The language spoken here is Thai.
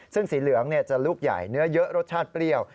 ซึ่งสีเหลืองจะลูกใหญ่เนื้อเยอะรสชาติเปรี้ยว